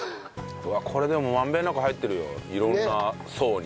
うわっこれでも満遍なく入ってるよ色んな層に。